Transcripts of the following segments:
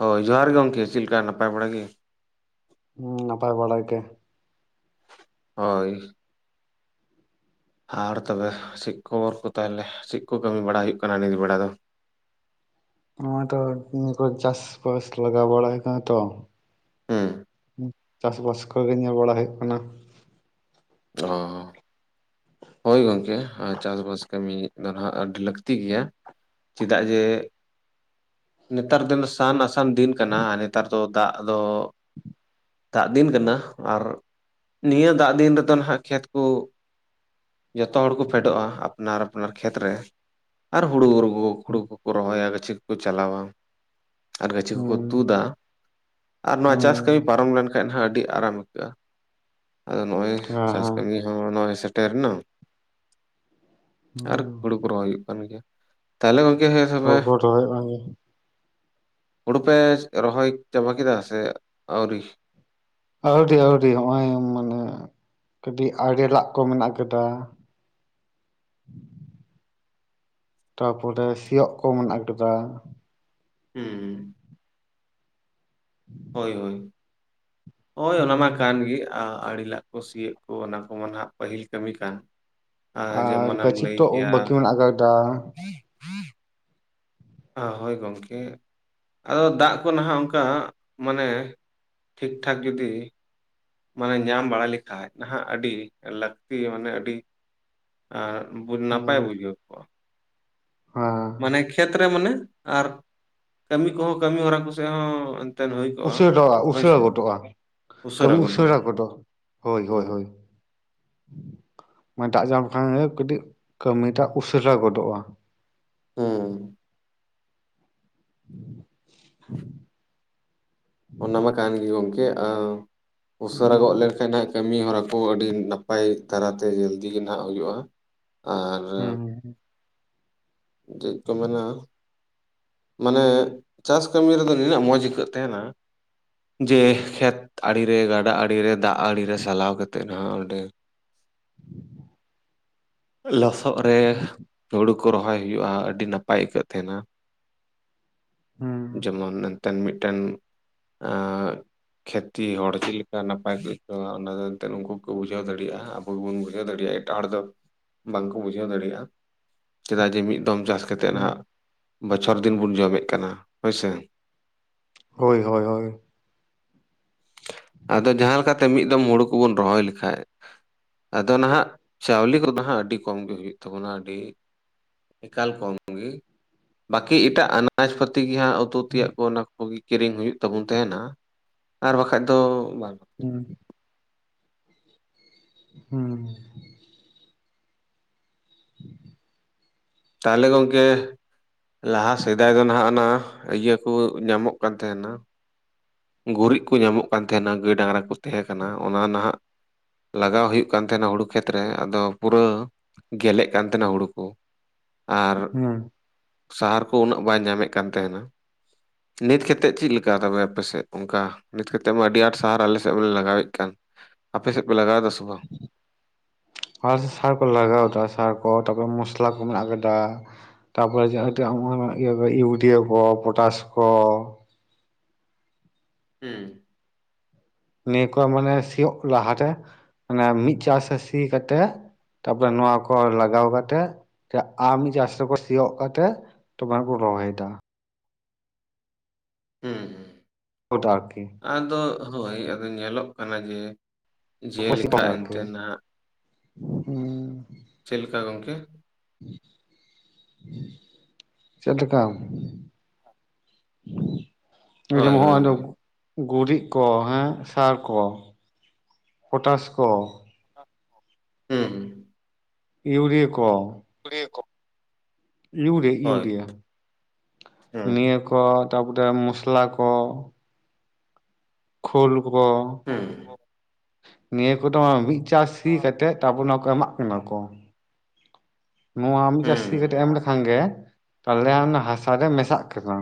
ᱦᱚᱭ ᱡᱚᱦᱟᱨ ᱜᱮ ᱜᱚᱢᱠᱮ ᱪᱮᱫ ᱞᱮᱠᱟ ᱱᱟᱯᱟᱭ ᱵᱟᱲᱟ ᱜᱮ? ᱦᱩᱸ ᱱᱟᱯᱟᱭ ᱵᱟᱲᱟ ᱜᱮ ᱾ ᱦᱚᱭ ᱟᱨ ᱛᱚᱵᱮ ᱪᱮᱫ ᱠᱷᱚᱵᱚᱨ ᱠᱚ ᱛᱟᱦᱚᱞᱮ, ᱪᱮᱫ ᱠᱚ ᱠᱟᱹᱢᱤ ᱵᱟᱲᱟ ᱦᱩᱭᱩᱜ ᱠᱟᱱᱟ ᱱᱤᱛ ᱵᱮᱲᱟ ᱫᱚ? ᱱᱚᱣᱟᱛᱚ ᱱᱤᱭᱟᱹ ᱠᱚ ᱪᱟᱥᱵᱟᱥ ᱞᱟᱜᱟᱣ ᱵᱟᱲᱟᱭ ᱠᱟᱱᱟ ᱛᱚ᱾ ᱦᱩᱸ ᱪᱟᱥ ᱵᱟᱥ ᱠᱚᱜᱮ ᱧᱮᱞ ᱵᱟᱲᱟ ᱦᱩᱭᱩᱜ ᱠᱟᱱᱟ ᱾ ᱚᱦᱚ ᱾ ᱦᱚᱭ ᱜᱚᱝᱠᱮ ᱟᱨ ᱪᱟᱥ ᱵᱟᱥ ᱠᱟᱹᱢᱤ ᱫᱚ ᱱᱷᱟᱜ ᱟᱹᱰᱤ ᱞᱟᱹᱠᱛᱤ ᱜᱮᱭᱟ ᱾ ᱪᱮᱫᱟᱜ ᱡᱮ ᱱᱮᱛᱟᱨ ᱫᱚ ᱥᱟᱱ ᱟᱥᱟᱱ ᱫᱤᱱ ᱠᱟᱱᱟ ᱱᱮᱛᱟᱨ ᱫᱚ ᱫᱟᱜᱽ ᱫᱚ [inaudible] ᱫᱟᱜᱽ ᱫᱤᱱ ᱠᱟᱱᱟ ᱟᱨ ᱱᱤᱭᱟᱹ ᱫᱟᱜᱽ ᱫᱤᱱ ᱨᱮᱫᱚ ᱱᱷᱟᱜ ᱠᱷᱮᱛ ᱠᱚ ᱡᱚᱛᱚ ᱦᱚᱲ ᱠᱚ ᱯᱷᱮᱰᱚᱜᱼᱟ ᱟᱯᱱᱟᱨ ᱟᱯᱱᱟᱨ ᱠᱷᱮᱛ ᱨᱮ ᱟᱨ ᱦᱩᱲᱩ [unintelligible] ᱦᱩᱲᱩ ᱠᱚᱠᱚ ᱨᱚᱦᱚᱭᱟ ᱜᱟᱪᱷᱤ ᱠᱚᱠᱚ ᱪᱟᱞᱟᱣᱟ ᱟᱨ ᱜᱟᱪᱷᱤ ᱠᱚᱠᱚ ᱦᱩᱸ ᱛᱩᱫᱟ ᱾ ᱟᱨ ᱱᱚᱣᱟ ᱦᱩᱸ ᱪᱟᱥ ᱠᱟᱹᱢᱤ ᱯᱟᱨᱚᱢ ᱞᱮᱱᱠᱷᱟᱡ ᱱᱷᱟᱜ ᱟᱹᱰᱤ ᱟᱨᱟᱢ ᱟᱹᱭᱠᱟᱹᱜᱼᱟ ᱟᱫᱚ ᱱᱚᱜᱼᱚᱭ ᱦᱮᱸ ᱦᱮᱸ [unintelligible] ᱦᱚᱸ ᱱᱚᱜᱼᱚᱭ ᱥᱮᱴᱮᱨᱮᱱᱟ ᱦᱩᱸ ᱟᱨ ᱦᱩᱲᱩ ᱠᱚ ᱨᱚᱦᱚᱭ ᱦᱩᱭᱩᱜ ᱠᱟᱱ ᱜᱮᱭᱟ ᱛᱟᱦᱮ ᱜᱚᱝᱠᱮ ᱦᱮᱸ ᱦᱳᱲᱳ ᱛᱚᱵᱮ ᱠᱚ ᱨᱚᱦᱚᱭ ᱵᱟᱝᱜᱮ ᱦᱩᱲᱩ ᱯᱮ ᱨᱚᱦᱚᱭ ᱪᱟᱵᱟ ᱠᱮᱫᱟ ᱥᱮ ᱟᱣᱨᱤ? ᱟᱹᱣᱨᱤ ᱟᱹᱣᱨᱤ ᱱᱚᱜ-ᱚᱭ ᱢᱟᱱᱮ ᱠᱟᱹᱴᱤᱡ ᱟᱲᱮ ᱞᱟᱜᱽ ᱠᱚ ᱢᱮᱱᱟᱜ ᱟᱠᱟᱫᱟ ᱾ ᱛᱟᱯᱚᱨᱮ ᱥᱤᱭᱚᱜ ᱠᱚ ᱢᱮᱱᱟᱜ ᱟᱠᱟᱫᱟ ᱾ ᱦᱩᱸ ᱾ ᱦᱚᱭ ᱦᱚᱭ, ᱦᱚᱭ ᱚᱱᱟ ᱦᱩᱸ ᱢᱟ ᱠᱟᱱ ᱜᱮ ᱟ ᱟᱹᱲᱤ ᱞᱟᱜᱽ ᱠᱚ ᱥᱤᱭᱟᱹᱜ ᱼᱼ ᱠᱚ ᱚᱱᱟ ᱠᱚᱢᱟ ᱱᱷᱟᱜ ᱯᱟᱹᱦᱤᱞ ᱠᱟᱹᱢᱤ ᱠᱟᱱ ᱾ ᱟᱨ ᱜᱟᱪᱷᱤᱠ ᱠᱚᱰᱚ ᱵᱟᱹᱠᱤ ᱢᱮᱱᱟᱜ ᱟᱠᱟᱜᱰᱟ᱾ ᱦᱚᱭ ᱜᱚᱝᱠᱮ ᱾ ᱟᱫᱚ ᱫᱟᱜᱽ ᱠᱚ ᱱᱟᱦᱟᱜ ᱚᱱᱠᱟ ᱢᱟᱱᱮ ᱴᱷᱤᱠ-ᱴᱷᱟᱠ ᱡᱩᱫᱤ ᱼᱼ ᱢᱟᱱᱮ ᱧᱟᱢ ᱵᱟᱲᱟ ᱞᱮᱠᱷᱟᱡ ᱱᱷᱟᱜ ᱟᱹᱰᱤ ᱞᱟᱹᱠᱛᱤ ᱢᱟᱱᱮ ᱟᱹᱰᱤ ᱟᱸ ᱼᱼ [unintelligible] ᱱᱟᱯᱟᱭ ᱵᱩᱡᱷᱟᱹᱣ ᱠᱚᱜ-ᱟ ᱾ ᱟᱸ ᱾ ᱢᱟᱱᱮ ᱠᱷᱮᱛ ᱨᱮ ᱢᱟᱱᱮ ᱟᱨ ᱠᱟᱹᱢᱤ ᱠᱚᱦᱚᱸ ᱠᱟᱹᱢᱤ ᱦᱚᱨᱟ ᱠᱚ ᱥᱮᱜ ᱦᱚᱸ ᱮᱱᱛᱮᱫ ᱦᱩᱭ ᱠᱚᱜᱼᱟ ᱩᱥᱟᱹᱨᱚᱜᱼᱟ ᱦᱳᱭ ᱩᱥᱟᱹᱨᱟ ᱥᱮ ᱜᱚᱫᱚᱜ-ᱟ ᱠᱟᱹᱢᱤ ᱩᱥᱟᱹᱨᱟ ᱜᱚᱫᱚᱜ ᱦᱚᱭ ᱦᱚᱭ ᱦᱩᱸ ᱦᱚᱭ ᱾ [unintelligible] ᱫᱟᱜᱽ ᱧᱟᱢ ᱞᱮᱠᱷᱟᱱ ᱜᱮ ᱠᱟᱹᱴᱤᱡ ᱠᱟᱹᱢᱤᱴᱟᱜ ᱩᱥᱟᱹᱨᱟ ᱜᱚᱫᱚᱜ-ᱟ ᱾ ᱦᱩᱸ ᱾ [inaudible] ᱚᱱᱟ ᱢᱟ ᱠᱟᱱ ᱜᱮ ᱜᱚᱝᱠᱮ ᱟᱸ ᱩᱥᱟᱹᱨᱟ ᱜᱚᱜ ᱦᱩᱸ ᱞᱮᱱᱠᱷᱟᱡ ᱱᱷᱟᱜ ᱼᱼ ᱠᱟᱹᱢᱤ ᱦᱚᱨᱟ ᱠᱚ ᱟᱹᱰᱤ ᱱᱟᱯᱟᱭ ᱫᱷᱟᱨᱟᱛᱮ [unintelligible] ᱜᱮ ᱱᱟᱦᱟᱜ ᱦᱩᱭᱩᱜ-ᱟ ᱟᱨ ᱼᱼ ᱦᱩᱸ ᱡᱮᱜ ᱪᱚ ᱢᱮᱱᱟ ᱼᱼ ᱢᱟᱱᱮ ᱪᱟᱥ ᱠᱟᱹᱢᱤ ᱨᱮᱫᱚ ᱱᱤᱱᱟᱹᱜ ᱢᱚᱡᱽ ᱟᱹᱭᱠᱟᱹᱜ ᱛᱟᱦᱮᱸᱱᱟ ᱾ ᱡᱮ ᱠᱷᱮᱛ ᱟᱲᱮᱨᱮ ᱜᱟᱰᱟ ᱟᱲᱮᱨᱮ ᱫᱟᱜᱽ ᱟᱲᱮᱨᱮ ᱥᱟᱞᱟᱣ ᱠᱟᱛᱮᱜ ᱱᱷᱟᱜ ᱚᱸᱰᱮ ᱼᱼ ᱞᱚᱥᱚᱜ ᱨᱮ ᱦᱩᱲᱩ ᱠᱚ ᱨᱚᱦᱚᱭ ᱦᱩᱭᱩᱜᱼᱟ ᱟᱹᱰᱤ ᱱᱟᱯᱟᱭ ᱟᱹᱭᱠᱟᱹᱜ ᱛᱟᱦᱮᱸᱱᱟ ᱦᱩᱸ ᱾ ᱡᱮᱢᱚᱱ ᱮᱱ ᱛᱮᱱ ᱢᱤᱫᱴᱮᱱ ᱟᱸ ᱠᱷᱮᱛᱤ ᱦᱚᱲ ᱪᱮᱫ ᱞᱮᱠᱟ ᱱᱟᱯᱟᱭ ᱠᱚ ᱟᱹᱭᱠᱟᱹᱣᱟ ᱚᱱᱟ ᱫᱚ ᱮᱱᱛᱮᱫ ᱩᱱᱠᱩ ᱠᱚ ᱵᱩᱡᱷᱟᱹᱣ ᱫᱟᱲᱮᱭᱟᱜ-ᱟ ᱟᱵᱚ ᱜᱮᱵᱚᱱ ᱵᱩᱡᱟᱹᱣ ᱫᱟᱲᱮᱭᱟᱜ-ᱟ ᱾ ᱴᱟᱜ ᱦᱚᱲ ᱫᱚ ᱵᱟᱝᱠᱚ ᱵᱩᱡᱷᱟᱹᱣ ᱫᱟᱲᱮᱭᱟᱜ-ᱟ ᱪᱮᱫᱟᱜ ᱡᱮ ᱢᱤᱫ ᱫᱚᱢ ᱪᱟᱥ ᱠᱟᱛᱮᱜ ᱦᱩᱸ ᱱᱷᱟᱜ ᱼᱼ ᱵᱚᱪᱷᱚᱨ ᱫᱤᱱ ᱵᱚᱱ ᱡᱚᱢᱮᱜ ᱠᱟᱱᱟ ᱦᱚᱭᱥᱮ ᱦᱚᱭ ᱦᱚᱭ ᱦᱚᱭ ᱾ ᱟᱫᱚ ᱡᱟᱦᱟᱸ ᱞᱮᱠᱟᱛᱮ ᱢᱤᱫ ᱫᱚᱢ ᱦᱩᱲᱩ ᱠᱚᱵᱚᱱ ᱨᱚᱦᱚᱭ ᱞᱮᱠᱷᱟᱡ ᱟᱫᱚ ᱱᱟᱦᱟᱜ ᱪᱟᱣᱞᱮ ᱠᱚᱫᱚ ᱦᱟᱸᱜ ᱟᱹᱰᱤ ᱠᱚᱢ ᱜᱮ ᱦᱩᱭᱩᱜ ᱛᱟᱵᱚᱱᱟ ᱟᱹᱰᱤ ᱼᱼ ᱮᱠᱟᱞ ᱠᱚᱢ ᱜᱮ ᱵᱟᱹᱠᱤ ᱮᱴᱟᱜ ᱟᱱᱟᱡᱽ ᱯᱟᱹᱛᱤ ᱜᱮ ᱦᱟᱸᱜ ᱼᱼ ᱩᱛᱤᱭᱟᱜ ᱠᱚ ᱚᱱᱟ ᱠᱚᱜᱮ ᱠᱤᱨᱤᱧ ᱦᱩᱭᱩᱜ ᱛᱟᱵᱚᱱ ᱛᱟᱦᱮᱸᱱᱟ ᱟᱨ ᱵᱟᱠᱷᱟᱡ ᱫᱚ ᱵᱟᱝ ᱾ ᱦᱩᱸ ᱾ ᱦᱩᱸ ᱾ [inaudible] ᱛᱟᱦᱞᱮ ᱜᱚᱝᱠᱮᱼᱼ ᱞᱟᱦᱟ ᱥᱮᱫᱟᱭ ᱫᱚ ᱱᱟᱦᱟᱜ ᱚᱱᱟ ᱤᱭᱟᱹ ᱠᱚ ᱧᱟᱢᱚᱜ ᱠᱟᱱ ᱛᱟᱦᱮᱸᱱᱟ ᱼᱼ ᱜᱩᱨᱤᱡᱽ ᱠᱚ ᱧᱟᱢᱚᱜ ᱠᱟᱱ ᱛᱟᱦᱮᱸᱱᱟ ᱜᱟᱹᱭ ᱰᱟᱝᱨᱟ ᱠᱚ ᱛᱟᱦᱮᱸ ᱠᱟᱱᱟ ᱚᱱᱟ ᱱᱟᱦᱟᱜ ᱼᱼ ᱞᱟᱜᱟᱣ ᱦᱩᱭᱩᱜ ᱠᱟᱱ ᱛᱟᱦᱮᱱᱟ ᱦᱩᱲᱩ ᱠᱷᱮᱛ ᱨᱮ᱾ ᱟᱫᱚ ᱯᱩᱨᱟᱹ ᱜᱮᱞᱮᱜ ᱠᱟᱱ ᱛᱟᱦᱮᱱᱟ ᱦᱩᱲᱩ ᱠᱚ ᱾ ᱟᱨ ᱦᱩᱸ ᱥᱟᱦᱟᱨ ᱠᱚ ᱩᱱᱟᱹᱜ ᱵᱟᱭ ᱧᱟᱢᱮᱫ ᱠᱟᱱ ᱛᱟᱦᱮᱱᱟ, ᱱᱤᱛ ᱠᱟᱛᱮᱫ ᱪᱮᱫ ᱞᱮᱠᱟ ᱛᱮ ᱟᱯᱮᱥᱮᱫ? ᱚᱱᱠᱟ ᱱᱤᱛ ᱠᱟᱛᱮᱫ ᱢᱟ ᱟᱹᱰᱤ ᱟᱸᱴ ᱥᱟᱦᱟᱨ ᱟᱞᱮ ᱥᱮᱫ ᱢᱟᱞᱮ ᱞᱟᱜᱟᱣᱮᱫ ᱠᱟᱱ, ᱟᱯᱮ ᱥᱮᱫ ᱯᱮ ᱞᱟᱜᱟᱣᱫᱟ ᱥᱮ ᱵᱟᱝ? ᱟᱨ ᱥᱟᱨ ᱠᱚ ᱞᱟᱜᱟᱣ ᱮᱫᱟ ᱥᱟᱨ ᱠᱚ ᱛᱟᱨᱯᱚᱨ ᱢᱩᱥᱞᱟ ᱠᱚ ᱢᱮᱱᱟᱜ ᱠᱟᱫᱟ ᱾ ᱛᱟᱯᱚᱨᱮ ᱡᱟᱦᱟᱸ [unintelligible] [unintelligible] ᱤᱭᱩᱨᱤᱭᱟᱹ ᱠᱚ ᱯᱚᱴᱟᱥ ᱠᱚ ᱼᱼ ᱦᱩᱸ ᱱᱤᱭᱟᱹ ᱠᱚ ᱢᱟᱱᱮ ᱥᱤᱭᱳᱜ ᱞᱟᱦᱟᱨᱮ, ᱢᱟᱱᱮ ᱢᱤᱫ ᱪᱟᱥ ᱥᱤ ᱼᱼ ᱠᱟᱛᱮ ᱛᱟᱯᱚᱨᱮ ᱱᱚᱣᱟ ᱠᱚ ᱞᱟᱜᱟᱣ ᱠᱟᱛᱮ ᱟᱢ ᱡᱟᱦᱟ ᱠᱚ ᱥᱤᱭᱳᱜ ᱠᱟᱛᱮᱜ ᱛᱚᱵᱮᱭ ᱠᱚ ᱨᱚᱦᱚᱭ ᱮᱫᱟ ᱾ ᱦᱩᱸ ᱜᱚᱴᱟᱹ ᱟᱨᱠᱤ᱾ ᱟᱫᱚ ᱦᱳᱭ ᱟᱫᱚ ᱧᱮᱞᱚᱜ ᱠᱟᱱᱟ ᱡᱮ ᱡᱮᱞᱮᱠᱟ ᱮᱱᱛᱮ [unintelligible] ᱱᱟᱦᱟᱜ ᱦᱮᱸ ᱪᱮᱫ ᱞᱮᱠᱟ ᱜᱚᱝᱠᱮ? ᱪᱮᱫ ᱞᱮᱠᱟ [unintelligible] ᱡᱮ ᱦᱳᱭ ᱦᱳᱭ ᱢᱚᱦᱟᱱ ᱦᱳᱭ ᱫᱚ ᱜᱩᱨᱤᱡ ᱠᱚ, ᱦᱮᱸ ᱥᱟᱦᱟᱨ ᱠᱚ, ᱯᱚᱴᱟᱥ ᱠᱚ, ᱦᱩᱸ ᱦᱩᱸ ᱤᱭᱩᱨᱤᱭᱟᱹ ᱠᱚ᱾ ᱤᱭᱩᱨᱤᱭᱟᱹ ᱠᱚ᱾ ᱤᱭᱩᱨᱮ ᱦᱳᱭ ᱤᱭᱩᱨᱤᱭᱟ ᱦᱩᱸ ᱱᱤᱭᱟᱹ ᱠᱚ ᱛᱟᱨᱯᱚᱨᱮ ᱢᱚᱥᱞᱟ ᱠᱚ, ᱠᱷᱩᱞ ᱠᱚ, ᱦᱮᱸ ᱱᱤᱭᱟᱹ ᱠᱚᱫᱚ ᱢᱤᱫ ᱪᱟᱥ ᱥᱤ ᱠᱟᱛᱮᱫ ᱛᱟᱨᱯᱚᱨ ᱚᱱᱟ ᱠᱚᱨᱮ ᱮᱢᱟᱜ ᱠᱟᱱᱟ ᱠᱚ᱾ [unintelligible] ᱱᱚᱣᱟ ᱢᱤᱫ ᱪᱟᱹᱥ ᱦᱩᱸ ᱥᱤ ᱠᱟᱛᱮᱫ ᱮᱢ ᱞᱮᱠᱷᱟᱱ ᱜᱮ ᱛᱟᱦᱚᱞᱮ ᱚᱱᱟ ᱦᱟᱥᱟᱞ ᱨᱮ ᱢᱮᱥᱟᱜ ᱠᱟᱱᱟ᱾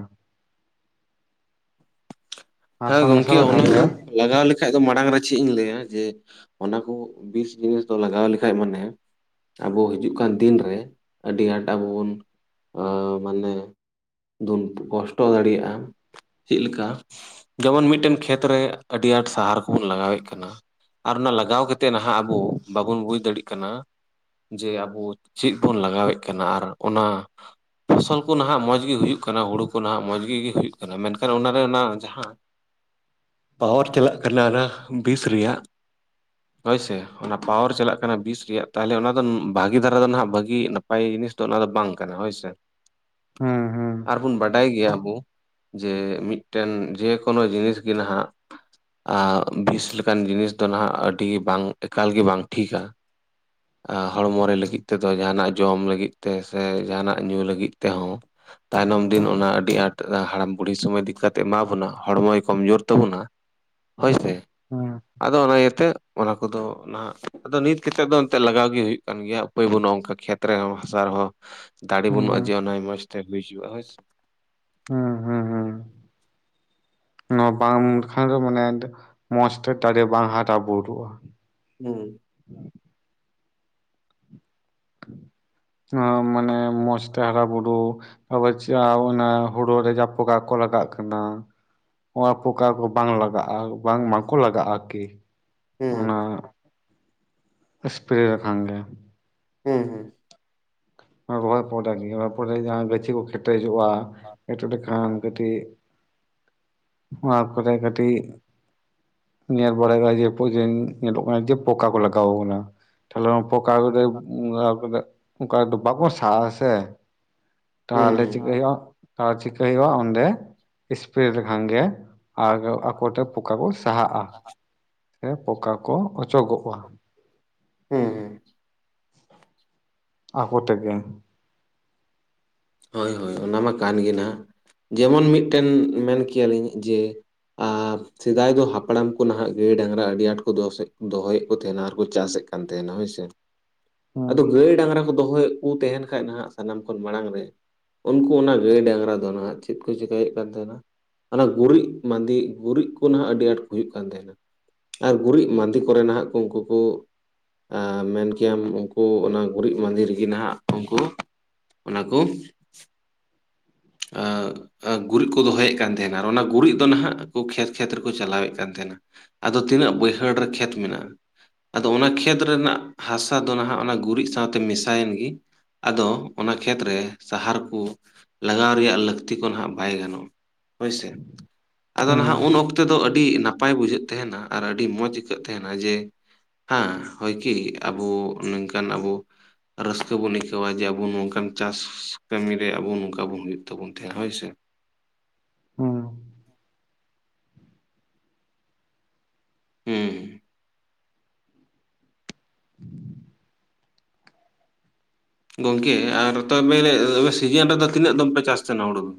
ᱦᱮᱸ ᱦᱟᱥᱟ ᱢᱮᱥᱟ ᱜᱚᱝᱠᱮ ᱞᱮᱠᱷᱟᱱ ᱚᱱᱟ ᱜᱮ ᱠᱚ ᱞᱟᱜᱟᱣ ᱞᱮᱠᱷᱟᱡ ᱫᱚ ᱢᱟᱲᱟᱝ ᱨᱮ ᱪᱮᱫ ᱤᱧ ᱞᱟᱹᱭᱟ ᱡᱮ ᱚᱱᱟ ᱠᱚ ᱵᱤᱥ ᱡᱤᱱᱤᱥ ᱫᱚ ᱞᱟᱜᱟᱣ ᱞᱮᱠᱷᱟᱡ ᱢᱟᱱᱮ ᱟᱵᱚ ᱦᱤᱡᱩᱜ ᱠᱟᱱ ᱫᱤᱱ ᱨᱮ ᱟᱹᱰᱤ ᱟᱸᱴ ᱟᱵᱚ ᱵᱚᱱ ᱢᱟᱱᱮ ᱠᱚᱥᱴᱚ ᱫᱟᱲᱮᱭᱟᱜᱼᱟ, ᱪᱮᱫ ᱞᱮᱠᱟ ᱡᱮᱢᱚᱱ ᱢᱤᱫᱴᱮᱱ ᱠᱷᱮᱛ ᱨᱮ ᱟᱹᱰᱤ ᱟᱸᱴ ᱥᱟᱦᱟᱨ ᱠᱚᱵᱚᱱ ᱞᱟᱜᱟᱣᱮᱫ ᱠᱟᱱᱟ᱾ ᱟᱨ ᱚᱱᱟ ᱞᱟᱜᱟᱣ ᱠᱟᱛᱮᱫ ᱱᱟᱦᱟᱜ ᱟᱵᱚ ᱵᱟᱵᱚᱱ ᱵᱩᱡᱽ ᱫᱟᱲᱮᱭᱟᱜ ᱠᱟᱱᱟ᱾ ᱡᱮ ᱟᱵᱚ ᱪᱮᱫ ᱵᱚᱱ ᱞᱟᱜᱟᱣᱮᱫ ᱠᱟᱱᱟ ᱟᱨ ᱚᱱᱟ ᱯᱷᱚᱥᱚᱞ ᱠᱚ ᱱᱦᱟᱜ ᱢᱚᱡᱽ ᱜᱮ ᱦᱩᱭᱩᱜ ᱠᱟᱱᱟ, ᱦᱩᱲᱩ ᱠᱚ ᱱᱟᱦᱟᱜ ᱢᱚᱡᱽ ᱜᱮ ᱦᱩᱭᱩᱜ ᱠᱟᱱᱟ᱾ ᱢᱮᱱᱠᱷᱟᱱ ᱚᱱᱟᱨᱮ ᱚᱱᱟ ᱡᱟᱦᱟᱸ ᱯᱟᱣᱟᱨ ᱪᱟᱞᱟᱜ ᱠᱟᱱᱟ ᱚᱱᱟ ᱵᱤᱥ ᱨᱮᱭᱟᱜ ᱦᱳᱭ ᱥᱮ ᱚᱱᱟ ᱯᱟᱣᱟᱨ ᱪᱟᱞᱟᱜ ᱠᱟᱱᱟ ᱵᱤᱥ ᱨᱮᱭᱟᱜ ᱛᱟᱦᱚᱞᱮ ᱚᱱᱟ ᱫᱚ ᱵᱷᱟᱹᱜᱤ ᱫᱷᱟᱨᱟ ᱫᱚ ᱱᱟᱦᱟᱜ ᱵᱷᱟᱹᱜᱤ ᱵᱷᱟᱹᱜᱤ ᱡᱤᱱᱤᱥ ᱫᱚ ᱚᱱᱟ ᱫᱚ ᱵᱟᱝ ᱠᱟᱱᱟ ᱦᱳᱭ ᱥᱮᱻ ᱦᱩᱸ ᱦᱩᱸ ᱟᱨᱵᱩᱱ ᱵᱟᱰᱟᱭ ᱜᱮᱭᱟᱵᱚᱱ ᱡᱮ ᱢᱤᱫᱴᱮᱱ ᱡᱮ ᱠᱚᱱᱚ ᱡᱤᱱᱤᱥ ᱜᱮ ᱱᱟᱦᱟᱜ ᱟᱨ ᱵᱤᱥ ᱞᱮᱠᱟᱱ ᱡᱤᱱᱤᱥ ᱫᱚ ᱱᱟᱦᱟᱜ ᱟᱹᱰᱤ ᱵᱟᱝ ᱮᱠᱟᱞ ᱜᱮ ᱵᱟᱝ ᱴᱷᱤᱠᱟ [unintelligible] ᱦᱚᱲᱢᱚ ᱨᱮ ᱞᱟᱹᱜᱤᱫ ᱛᱮ ᱫᱚ, ᱡᱟᱦᱟᱱᱟᱜ ᱡᱚᱢ ᱞᱟᱹᱜᱤᱫ ᱛᱮ ᱥᱮ ᱡᱟᱦᱟᱸ ᱱᱟᱜ ᱧᱩ ᱞᱟᱹᱜᱤᱫ ᱛᱮᱦᱚᱸ, ᱛᱟᱭᱱᱚᱢ ᱫᱤᱱ ᱚᱱᱟ ᱟᱹᱰᱤ ᱟᱸᱴ ᱦᱟᱲᱟᱢ ᱵᱩᱰᱦᱤ ᱥᱚᱢᱚᱭ ᱫᱤᱠᱟᱛ ᱮᱢᱟ ᱵᱚᱱᱟ᱾ ᱦᱚᱲᱢᱚᱭ ᱠᱚᱢᱡᱩᱨ ᱛᱟᱵᱚᱱᱟ ᱦᱚᱭ ᱥᱮ᱾ ᱦᱩᱸ ᱟᱫᱚ ᱚᱱᱟ ᱤᱭᱟᱹᱛᱮ ᱚᱱᱟ ᱠᱚᱫᱚ ᱱᱟ ᱟᱫᱚ ᱱᱤᱛ ᱛᱮᱫ ᱫᱚ ᱮᱱᱛᱮ ᱞᱟᱜᱟᱣ ᱜᱮ ᱦᱩᱭᱩᱜ ᱠᱟᱱ ᱜᱮᱭᱟ᱾ ᱦᱩᱭ ᱵᱟᱹᱱᱩᱜᱼᱟ, ᱚᱱᱠᱟ ᱠᱷᱮᱛ ᱨᱮᱦᱚᱸ ᱦᱟᱥᱟ ᱨᱮᱦᱚᱸ ᱫᱟᱲᱮ ᱵᱟᱹᱱᱩᱜᱼᱟ ᱦᱩᱸ ᱡᱮ ᱢᱚᱸᱡᱽ ᱛᱮ ᱦᱩᱭ ᱦᱚᱪᱚᱭᱟ ᱦᱩᱸ ᱦᱩᱸ ᱦᱩᱸ ᱱᱚᱣᱟ ᱵᱟᱝ ᱞᱮᱠᱷᱟᱱ ᱫᱚ ᱢᱟᱱᱮ ᱢᱚᱸᱡᱽ ᱛᱮ ᱵᱟᱝ ᱦᱟᱨᱟ ᱵᱩᱨᱩᱜᱼᱟ᱾ ᱦᱩᱸ ᱚ, ᱢᱟᱱᱮ ᱢᱚᱡᱽᱛᱮ ᱦᱟᱨᱟ-ᱵᱩᱨᱩ ᱚᱵᱚᱥᱥᱳ ᱚᱱᱟ ᱦᱩᱲᱩ ᱨᱮ ᱡᱟᱯᱚᱠᱟ ᱠᱚ ᱞᱟᱜᱟᱜ ᱠᱟᱱᱟ ᱚᱱᱟ ᱯᱚᱠᱟ ᱠᱚ ᱵᱟᱝ ᱞᱟᱜᱟᱜᱼᱟ ᱵᱟᱝ ᱢᱟᱠᱚ ᱞᱟᱜᱟᱜᱼᱟ ᱟᱨᱠᱤ᱾ ᱦᱩᱸ᱾ ᱮᱥᱯᱨᱮᱹ ᱞᱮᱠᱷᱟᱱ ᱜᱮ᱾ ᱦᱩᱸ ᱦᱩᱸ᱾ ᱨᱚᱦᱚᱭ ᱯᱚᱨᱮ ᱜᱮ, ᱚᱱᱟ ᱯᱚᱨᱮ ᱡᱟᱦᱟᱸ ᱜᱟᱹᱪᱷᱤ ᱠᱚ ᱠᱮᱴᱮᱡᱚᱜᱼᱟ ᱮᱴᱮᱫ ᱞᱮᱠᱷᱟᱱ ᱠᱟᱹᱴᱤᱜ, ᱢᱟᱜ ᱠᱚᱨᱮ ᱠᱟᱹᱴᱤᱜ ᱧᱮᱞ ᱵᱟᱲᱟᱭᱜᱟ ᱡᱮ ᱯᱨᱡᱮᱱ ᱧᱮᱞᱚᱜ ᱠᱟᱱᱟ ᱡᱮ ᱯᱚᱠᱟ ᱠᱚ ᱞᱟᱜᱟᱣ ᱠᱟᱱᱟ, ᱛᱟᱦᱞᱮ ᱚᱱᱟ ᱯᱚᱠᱟ ᱠᱚᱫᱚ ᱞᱟᱜᱟᱣ ᱠᱟᱛᱮᱫ ᱚᱱᱠᱟ ᱫᱚ ᱵᱟᱠᱚ ᱥᱟᱨ-ᱟ ᱥᱮ ᱦᱩᱸ ᱛᱟᱦᱞᱮ ᱦᱩᱸ ᱪᱤᱠᱟᱹᱭ ᱦᱩᱭᱩᱜᱼᱟ ᱟᱨ ᱪᱤᱠᱟᱹᱭ ᱦᱩᱭᱩᱜᱼᱟ ᱚᱸᱰᱮ ᱮᱥᱯᱨᱮᱹ ᱞᱮᱠᱷᱟᱱ ᱜᱮ ᱟᱨ ᱟᱠᱚ ᱛᱮ ᱯᱚᱠᱟ ᱠᱚ ᱥᱟᱦᱟᱜᱼᱟ ᱥᱮ ᱯᱚᱠᱟ ᱠᱚ ᱚᱪᱚᱜᱚᱜᱼᱟ᱾ ᱦᱩᱸ ᱦᱩᱸ᱾ ᱟᱠᱚ ᱛᱮᱜᱮ᱾ ᱦᱳᱭ ᱦᱳᱭ ᱚᱱᱟ ᱢᱟ ᱠᱟᱱ ᱜᱮ ᱱᱟᱦᱟᱜ, ᱡᱮᱢᱚᱱ ᱢᱤᱫᱴᱮᱱ ᱢᱮᱱ ᱠᱮᱭᱟᱞᱤᱧ ᱡᱮ, ᱟᱨ ᱥᱮᱫᱟᱭ ᱫᱚ ᱦᱟᱯᱲᱟᱢ ᱠᱚ ᱱᱟᱦᱟᱜ ᱜᱟᱹᱭ, ᱰᱟᱝᱨᱟ ᱟᱹᱰᱤ ᱟᱸᱴ ᱠᱚ ᱫᱚᱦᱚᱭᱮᱫ ᱠᱚ ᱛᱟᱸᱦᱮᱱᱟ ᱟᱨ ᱠᱚ ᱪᱟᱥᱮᱫ ᱠᱟᱱ ᱛᱟᱸᱦᱮᱱᱟ ᱦᱳᱭ ᱥᱮ᱾ ᱦᱩᱸ ᱟᱫᱚ ᱜᱟᱹᱭ ᱰᱟᱝᱨᱟ ᱠᱚ ᱫᱚᱦᱚᱭᱮᱫ ᱠᱚ ᱛᱟᱸᱦᱮᱱ ᱠᱷᱟᱡ ᱱᱟᱦᱟᱜ ᱥᱟᱱᱟᱢ ᱠᱷᱚᱱ ᱢᱟᱲᱟᱝ ᱨᱮ ᱩᱱᱠᱩ ᱚᱱᱟ ᱜᱟᱹᱭ ᱰᱟᱝᱨᱟ ᱫᱚ ᱱᱟᱦᱟᱜ ᱪᱮᱫ ᱠᱚ ᱪᱮᱠᱟᱹᱭᱮᱫ ᱠᱟᱱ ᱛᱟᱦᱮᱱᱟ᱾ ᱚᱱᱟ ᱜᱩᱨᱤᱡ ᱢᱟᱫᱮ, ᱜᱩᱨᱤᱡ ᱠᱚ ᱱᱟᱦᱟᱜ ᱟᱹᱰᱤ ᱟᱸᱴ ᱦᱩᱭᱩᱜ ᱠᱟᱱ ᱛᱟᱸᱦᱮᱱᱟ᱾ ᱟᱨ ᱜᱩᱨᱤᱡ ᱢᱟᱸᱫᱮ ᱠᱚᱨᱮ ᱱᱟᱦᱟᱜ ᱠᱚ ᱩᱱᱠᱩ ᱠᱚ ᱟᱸᱻ ᱢᱮᱱ ᱠᱮᱭᱟᱢ ᱩᱱᱠᱩ ᱚᱱᱟ ᱜᱩᱨᱤᱡ ᱢᱟᱸᱫᱮ ᱨᱮᱜᱮ ᱱᱟᱦᱟᱜ ᱩᱝᱠᱩ ᱚᱱᱟ ᱠᱚ ᱟᱻ ᱟ, ᱜᱩᱨᱤᱡ ᱠᱚ ᱫᱚᱦᱚᱭᱮᱫ ᱠᱟᱱ ᱛᱟᱦᱮᱱᱟ ᱟᱨ ᱚᱱᱟ ᱜᱩᱨᱤᱡ ᱫᱚ ᱱᱟᱦᱟᱜ ᱠᱷᱮᱛ ᱠᱷᱮᱛ ᱨᱮᱠᱚ ᱪᱟᱞᱟᱣᱮᱫ ᱠᱟᱱ ᱛᱟᱸᱦᱮᱱᱟ, ᱟᱫᱚ ᱛᱤᱱᱟᱹᱜ ᱵᱟᱹᱭᱦᱟᱹᱲ ᱨᱮ ᱠᱷᱮᱛ ᱢᱮᱱᱟᱜᱼᱟ ᱟᱫᱚ ᱚᱱᱟ ᱠᱷᱮᱛ ᱨᱮᱱᱟᱜ ᱦᱟᱥᱟ ᱫᱚ ᱱᱟᱦᱟᱜ ᱚᱱᱟ ᱜᱩᱨᱤᱡ ᱥᱟᱶᱛᱮ ᱢᱮᱥᱟᱭᱮᱱ ᱜᱮ᱾ ᱟᱫᱚ ᱚᱱᱟ ᱠᱷᱮᱛ ᱨᱮ ᱥᱟᱦᱟᱨ ᱠᱚ, ᱞᱟᱜᱟᱣ ᱨᱮᱭᱟᱜ ᱞᱟᱹᱠᱛᱤ ᱠᱚ ᱱᱟᱦᱟᱜ ᱵᱟᱭ ᱜᱟᱱᱚᱜᱼᱟ ᱦᱳᱭ ᱥᱮ᱾ ᱟᱫᱚ ᱦᱩᱸ ᱱᱟᱦᱟᱜ ᱩᱱ ᱚᱠᱛᱮ ᱫᱚ ᱟᱹᱰᱤ ᱱᱟᱯᱟᱭ ᱵᱩᱡᱷᱟᱹᱜ ᱛᱮᱦᱮᱱᱟ ᱟᱨ ᱟᱹᱰᱤ ᱢᱚᱡᱽ ᱟᱹᱭᱠᱟᱹᱜ ᱛᱮᱦᱮᱱᱟ ᱡᱮ, ᱦᱮᱸ ᱦᱳᱭ ᱠᱤ ᱟᱵᱚ ᱱᱤᱝᱠᱟᱹᱱ ᱟᱵᱚ ᱨᱟᱹᱥᱠᱟᱹ ᱵᱩᱱ ᱟᱹᱭᱠᱟᱹᱣᱟ ᱡᱮ ᱟᱵᱚ ᱱᱚᱝᱠᱟᱱ ᱪᱟᱥ ᱠᱟᱹᱢᱤ ᱨᱮ ᱟᱵᱚ ᱱᱚᱝ ᱟᱵᱚᱱ ᱢᱤᱫ ᱛᱮᱵᱚᱱ ᱛᱮᱦᱮᱸᱜᱼᱟ ᱦᱳᱭ ᱥᱮ᱾ ᱦᱩᱸ ᱦᱩᱸ ᱜᱚᱝᱠᱮ ᱟᱨ ᱛᱚᱵᱮ ᱟᱨ ᱥᱤᱡᱤᱱ ᱨᱮᱫᱚ ᱛᱤᱱᱟᱹᱜ ᱫᱚᱢ ᱯᱮ ᱪᱟᱥ ᱛᱟᱸᱦᱮᱱᱟ ᱦᱩᱲᱩ ᱫᱚ?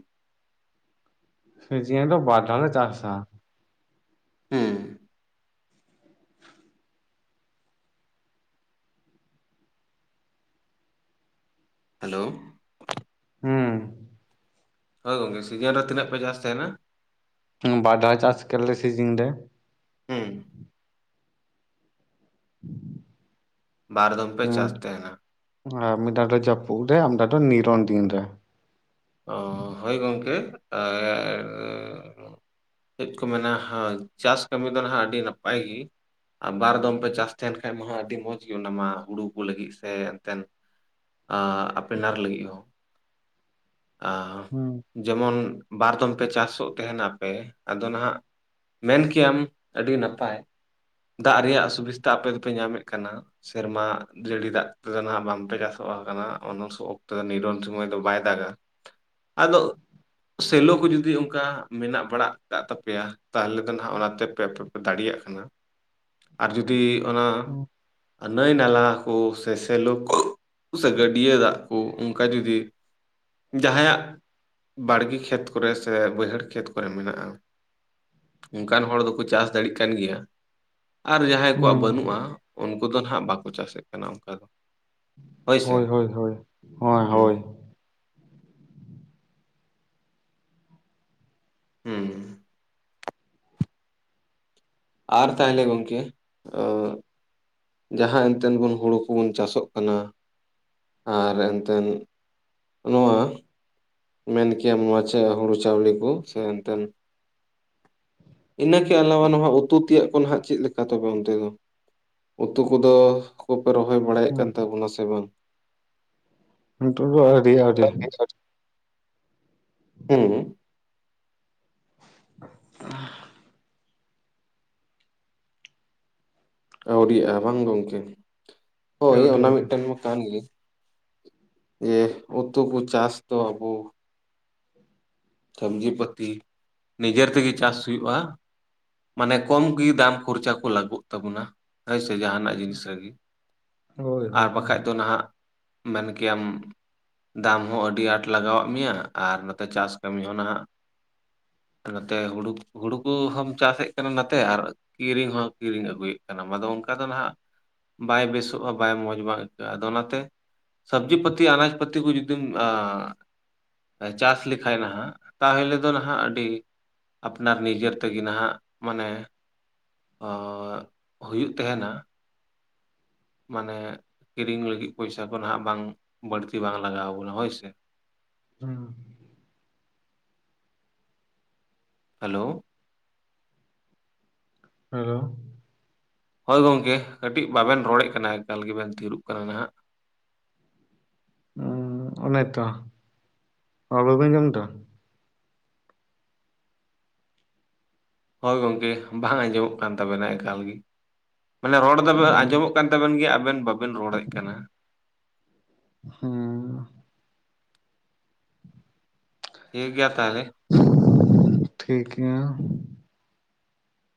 ᱥᱤᱡᱤᱱ ᱨᱮ ᱵᱟᱨᱫᱷᱟᱣ ᱞᱮ ᱪᱟᱥᱟ᱾ ᱦᱩᱸ᱾ ᱦᱮᱞᱳ᱾ ᱦᱩᱸ᱾ ᱦᱳᱭ ᱜᱚᱝᱠᱮ ᱥᱤᱡᱤᱱ ᱨᱮ ᱛᱤᱱᱟᱹᱜ ᱯᱮ ᱪᱟᱥ ᱛᱟᱸᱦᱮᱱᱟ? ᱛᱤᱱ ᱵᱟᱨ‌ ᱫᱷᱟᱣ ᱪᱟᱥ ᱠᱮᱫ ᱞᱮ ᱥᱤᱡᱤᱱ ᱨᱮ᱾ ᱦᱩᱸ᱾ ᱵᱟᱨ ᱫᱚᱢ ᱯᱮ ᱪᱟᱥ ᱛᱟᱸᱦᱮᱱᱟ᱾ ᱦᱮᱸ, ᱢᱤᱫ ᱫᱷᱟᱣ ᱫᱚ ᱡᱟᱹᱯᱩᱫ ᱨᱮ ᱟᱨ ᱢᱤᱫ ᱫᱷᱟᱣ ᱫᱚ ᱱᱤᱨᱚᱱ ᱫᱤᱱ ᱨᱮ᱾ ᱚ, ᱦᱳᱭ ᱜᱚᱝᱠᱮ ᱟᱨ ᱪᱮᱫ ᱠᱚ ᱢᱮᱱᱟ ᱦᱳᱭ ᱪᱟᱥ ᱠᱟᱹᱢᱤ ᱫᱚ ᱱᱟᱦᱟᱜ ᱟᱹᱰᱤ ᱱᱟᱯᱟᱭ ᱜᱮ᱾ ᱵᱟᱨ ᱫᱚᱢ ᱯᱮ ᱪᱟᱥ ᱛᱟᱦᱮᱱ ᱠᱷᱟᱡ ᱢᱟ ᱟᱹᱰᱤ ᱢᱚᱸᱡᱽ ᱜᱮ ᱚᱱᱟᱢᱟ ᱦᱩᱲᱩ ᱠᱚ ᱞᱟᱹᱜᱤᱫ ᱥᱮ ᱚᱱᱛᱮᱱ ᱟᱸᱻ ᱟᱯᱮᱱᱟᱨ ᱞᱟᱹᱜᱤᱫ ᱦᱚᱸ᱾ ᱟᱸᱻ ᱦᱩᱸ ᱡᱮᱢᱚᱱ ᱵᱟᱨ ᱫᱚᱢ ᱯᱮ ᱪᱟᱥᱚᱜ ᱛᱟᱦᱮᱱᱟᱯᱮ ᱟᱫᱚ ᱱᱟᱦᱟᱜ ᱢᱮᱱ ᱠᱮᱭᱟᱢ ᱟᱹᱰᱤ ᱱᱟᱯᱟᱭ ᱫᱟᱜ ᱨᱮᱭᱟᱜ ᱥᱩᱵᱤᱥᱛᱟ ᱟᱯᱮ ᱫᱚᱯᱮ ᱧᱟᱢᱮᱫ ᱠᱟᱱᱟ ᱾ ᱥᱮᱨᱢᱟ ᱡᱟᱹᱲᱤ ᱫᱟᱜ ᱛᱮᱫᱚ ᱱᱟᱦᱟᱜ ᱵᱟᱝ ᱯᱮ ᱪᱟᱥᱚᱜ ᱠᱟᱱᱟ ᱚᱱᱟ ᱚᱠᱛᱚ ᱫᱚ ᱱᱤᱨᱚᱱ ᱥᱚᱢᱚᱭ ᱫᱚ ᱵᱟᱭ ᱫᱟᱜ -ᱟ ᱾ ᱟᱫᱚ ᱥᱮᱞᱚ ᱠᱚ ᱡᱩᱫᱤ ᱚᱱᱠᱟ ᱢᱮᱱᱟᱜ ᱵᱟᱲᱟ ᱟᱠᱟᱫ ᱛᱟᱯᱮᱭᱟ ᱛᱟᱦᱚᱞᱮ ᱫᱚ ᱱᱟᱜ ᱚᱱᱟᱛᱮ ᱟᱯᱮ ᱯᱮ ᱫᱟᱲᱮᱭᱟᱜ ᱠᱟᱱᱟ ᱟᱨ ᱡᱩᱫᱤ ᱚᱱᱟ ᱱᱟᱹᱭ ᱱᱟᱞᱟ ᱠᱚ, ᱥᱮ ᱥᱮᱞᱚ ᱠᱚ, ᱥᱮ ᱜᱟᱹᱰᱭᱟᱹ ᱫᱟᱜ ᱠᱚ ᱚᱱᱠᱟ ᱡᱩᱫᱤ ᱡᱟᱦᱟᱸᱭ ᱟᱜ ᱵᱟᱲᱜᱮ ᱠᱷᱮᱛ ᱠᱚᱨᱮ ᱥᱮ, ᱵᱟᱹᱭᱦᱟᱹᱲ ᱠᱷᱮᱛ ᱠᱚᱨᱮ ᱢᱮᱱᱟᱜᱼᱟ ᱾ ᱚᱱᱠᱟᱱ ᱦᱚᱲ ᱫᱚᱠᱚ ᱪᱟᱥ ᱫᱟᱲᱮᱭᱟᱜ ᱠᱟᱱ ᱜᱮᱭᱟ ᱾ ᱟᱨ ᱡᱟᱦᱟᱸᱭ ᱠᱚᱣᱟᱜ ᱦᱩᱸ ᱵᱟᱹᱱᱩᱜᱼᱟ ᱩᱱᱠᱩ ᱫᱚ ᱦᱟᱜ ᱵᱟᱠᱚ ᱪᱟᱥᱮᱫ ᱠᱟᱱᱟ ᱚᱱᱠᱟ ᱫᱚ ᱾ ᱦᱳᱭ ᱥᱮ ᱦᱳᱭ ᱦᱳᱭ ᱦᱳᱭ ᱦᱩᱸ ᱾ ᱦᱩᱸ ᱾ ᱟᱨ ᱛᱟᱭᱞᱮ ᱜᱚᱝᱠᱮ ᱚᱸ ᱡᱟᱦᱟᱸ ᱮᱱᱛᱮᱱ ᱵᱚᱱ ᱦᱩᱲᱩ ᱠᱚᱵᱚᱱ ᱪᱟᱥᱚᱜ ᱠᱟᱱᱟ ᱟᱨ ᱮᱱᱛᱮᱱ ᱱᱚᱣᱟ ᱢᱮᱱ ᱠᱮᱭᱟᱢ ᱱᱚᱣᱟ ᱪᱮᱫ ᱦᱩᱲᱩ ᱪᱟᱣᱞᱮ ᱠᱚ ᱥᱮ ᱮᱱᱛᱮᱱ ᱤᱱᱟᱹᱠᱮ ᱟᱞᱟᱣᱟ ᱱᱚᱣᱟ ᱩᱛᱩ ᱛᱮᱭᱟᱜ ᱠᱚ ᱱᱟᱦᱜ ᱪᱮᱫ ᱞᱮᱠᱟ ᱛᱮ ᱚᱱᱛᱮ ᱫᱚ? ᱩᱛᱩ ᱠᱚᱫᱚ ᱠᱚᱯᱮ ᱨᱚᱦᱚᱭ ᱵᱟᱲᱟᱭᱮᱫ ᱠᱟᱱ ᱛᱟᱵᱳᱱᱟ ᱥᱮ ᱵᱟᱝ? ᱱᱤᱛᱳᱜ ᱫᱚ ᱟᱣᱨᱤ ᱟᱣᱨᱤ ᱦᱩᱸ ᱟᱹᱣᱨᱤᱜᱼᱟ ᱵᱟᱝ ᱜᱚᱢᱠᱮ ᱦᱳᱭ ᱟᱹᱰᱤ ᱚᱱᱟ ᱟᱹᱰᱤ ᱢᱤᱫᱴᱮᱱ ᱠᱟᱱ ᱜᱮ ᱡᱮ ᱩᱛᱩ ᱠᱚ ᱪᱟᱥ ᱫᱚ ᱟᱵᱚ ᱥᱚᱵᱽᱡᱤ ᱯᱟᱹᱛᱤ ᱱᱤᱡᱮᱨ ᱛᱮᱜᱮ ᱪᱟᱥ ᱦᱩᱭᱩᱜᱼᱟ ᱾ ᱢᱟᱱᱮ ᱠᱚᱢ ᱜᱮᱤ ᱫᱟᱢ ᱠᱷᱚᱨᱪᱟ ᱠᱚ ᱞᱟᱹᱜᱩᱜ ᱛᱟᱵᱚᱱᱟ ᱦᱳᱭᱥᱮ ᱡᱟᱦᱟᱱᱟᱜ ᱡᱤᱱᱤᱥ ᱨᱮᱜᱮ ᱦᱳᱭ [unintelligible] ᱟᱨ ᱦᱳᱭ ᱦᱳᱭ ᱵᱟᱠᱷᱟᱡ ᱫᱚ ᱱᱟᱦᱟᱜ ᱢᱮᱱ ᱠᱮᱟᱢ ᱫᱟᱢ ᱦᱚᱸ ᱟᱹᱰᱤ ᱟᱸᱴ ᱞᱟᱜᱟᱣᱟᱜ ᱢᱮᱭᱟ ᱟᱨ ᱱᱚᱛᱮ ᱪᱟᱥ ᱚᱱᱟ ᱱᱚᱛᱮ ᱦᱩᱲᱩ ᱦᱩᱲᱩ ᱠᱚᱦᱚᱢ ᱪᱟᱥᱮᱫ ᱠᱟᱱᱟ ᱱᱟᱛᱮ ᱟᱨ ᱠᱤᱨᱤᱧ ᱦᱚᱸᱢ ᱠᱤᱨᱤᱧ ᱟᱹᱜᱩᱭᱮᱫ ᱠᱟᱱᱟ ᱟᱫᱚ ᱚᱱᱠᱟ ᱫᱚ ᱱᱟᱦᱟᱜ ᱵᱟᱭ ᱵᱮᱥᱚᱜᱼᱟ ᱵᱟᱭ ᱢᱚᱡᱽ ᱵᱟᱝ ᱟᱹᱭᱠᱟᱹᱜᱼᱟ ᱟᱫᱚ ᱚᱱᱟᱛᱮ ᱥᱚᱵᱡᱤ ᱯᱟᱛᱤ ᱟᱱᱟᱡ ᱯᱛᱤ ᱠᱚ ᱡᱩᱫᱤᱢ ᱪᱟᱥ ᱞᱮᱠᱷ ᱠᱷᱟᱱ ᱱᱟᱦᱟᱜ ᱛᱟᱦᱚᱞᱮ ᱫᱚ ᱱᱟᱦᱟᱜ ᱟᱹᱰᱤ ᱟᱯᱱᱟᱨ ᱱᱤᱡᱮᱨ ᱛᱮᱜᱮ ᱱᱟᱦᱟᱜ ᱢᱟᱱᱮ ᱚᱸ ᱦᱩᱭᱩᱜ ᱛᱟᱦᱮᱱᱟ ᱾ ᱢᱟᱱᱮ ᱠᱤᱨᱤᱧ ᱞᱟᱹᱜᱤᱫ ᱯᱚᱭᱥᱟ ᱠᱚ ᱱᱟᱦᱟᱜ ᱵᱟᱝ ᱵᱟᱹᱲᱛᱤ ᱵᱟᱝ ᱞᱟᱜᱟᱣ ᱵᱚᱱᱟ ᱦᱳᱭᱥᱮ ᱾ ᱦᱮᱸ ᱾ ᱦᱮᱞᱳ ᱦᱮᱞᱳ ᱦᱳᱭ ᱜᱚᱝᱠᱮ ᱠᱟᱹᱴᱤᱡ ᱵᱟᱵᱮᱱ ᱨᱚᱲᱮᱫ ᱠᱟᱱᱟ ᱮᱠᱟᱞ ᱜᱮᱵᱮᱱ ᱛᱷᱤᱨᱚᱜ ᱠᱟᱱᱟ ᱱᱟᱦᱟᱜ ᱾ [inaudible] ᱚᱱ ᱛᱚ ᱨᱚᱲ ᱵᱟᱵᱤᱱ ᱟᱸᱡᱚᱢ ᱫᱟ ᱦᱳᱭ ᱜᱚᱢᱠᱮ ᱵᱟᱝ ᱟᱸᱡᱚᱢᱚᱜ ᱠᱟᱱ ᱛᱟᱵᱮᱱᱟ ᱮᱠᱟᱞ ᱜᱮ ᱢᱟᱱᱮ ᱨᱚᱲ ᱫᱚ ᱟᱸᱡᱚᱢᱚᱜ ᱠᱟᱱ ᱛᱟᱵᱮᱱ ᱜᱮᱭᱟ ᱟᱵᱮᱱ ᱵᱟᱵᱮᱱ ᱨᱚᱲᱮᱫ ᱠᱟᱱᱟ ᱾ ᱦᱩᱸ ᱾ ᱴᱷᱤᱠ ᱜᱮᱭᱟ ᱛᱟᱦᱚᱞᱮ ᱾ ᱴᱷᱤᱠ ᱜᱮᱭᱟ ᱾